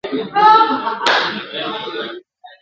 دروازه به د جنت وي راته خلاصه ..